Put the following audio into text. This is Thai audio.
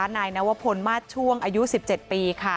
นายนวพลมาสช่วงอายุ๑๗ปี